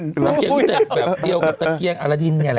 ตะเกียงรู้จักแบบเดียวกับตะเกียงอารดินเนี่ยแหละ